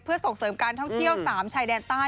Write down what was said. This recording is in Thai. เพื่อส่งเสริมการท่องเที่ยว๓ชายแดนใต้